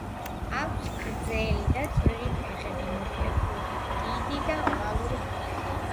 აქვს გრძელი და წვრილი ფეხები, მოკლე კუდი, დიდი და ოვალური ყურები.